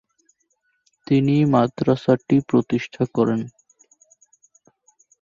তিনিই মাদ্রাসাটি প্রতিষ্ঠা করেন।